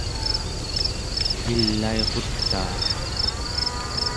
ilairutaak